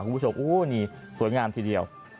วูนี่สวยงามทีเดียว